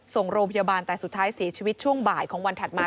ส่งโรงพยาบาลแต่สุดท้ายเสียชีวิตช่วงบ่ายของวันถัดมา